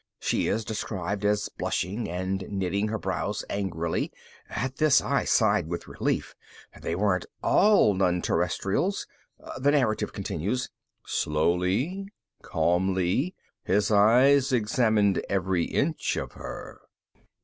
She is described as blushing and knitting her brows angrily. At this, I sighed with relief. They weren't all non Terrestrials. The narrative continues: _... slowly, calmly, his eyes examined every inch of her.